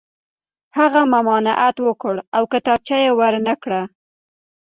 هغه ممانعت وکړ او کتابچه یې ور نه کړه